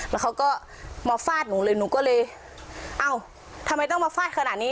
แล้วเขาก็มาฟาดหนูเลยหนูก็เลยเอ้าทำไมต้องมาฟาดขนาดนี้